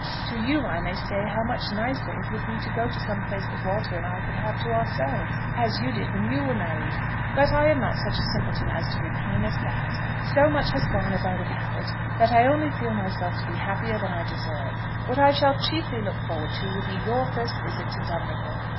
To you I may say how much nicer it would be to go to some place that Walter and I could have to ourselves, as you did when you married. But I am not such a simpleton as to repine at that. So much has gone as I would have it that I only feel myself to be happier than I deserve. What I shall chiefly look forward to will be your first visit to Dunripple.